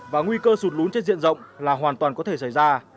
và nguy cơ sụt lún trên diện rộng là hoàn toàn có thể xảy ra